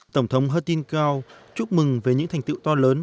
tổng thống hertin keo chúc mừng về những thành tựu to lớn